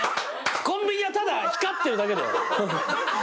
コンビニはただ光ってるだけ。